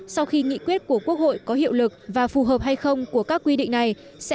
sau khi nghị quyết của quốc hội có hiệu lực và phù hợp hay không của các quy định này sẽ